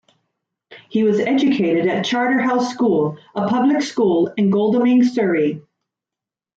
He was educated at Charterhouse School, a public school in Godalming, Surrey.